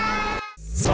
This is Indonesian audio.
nggak nggak kena